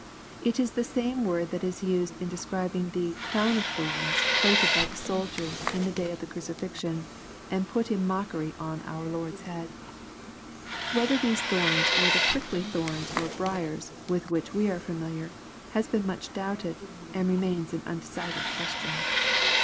It is the same word that is used in describing the " crown of thorns," plaited by the soldiers in ^e day of the crucifixion, and put in mockery on our Lord's head. Whether those thorns w<^re the prickly thorns or briars, wiih which we are all fisimiliar, has been much doubted, and remains an undecided question. LUKE, CHAP. vra.